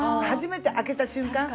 初めて開けた瞬間